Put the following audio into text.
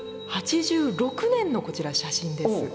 １９８６年のこちら写真です。